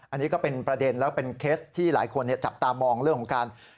อันนี้ก็เป็นประเด็นแล้วเป็นเคสที่หลายคนจับตามองเรื่องของการ